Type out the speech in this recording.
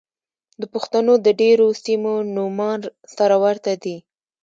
د پښتنو د ډېرو سيمو نومان سره ورته دي.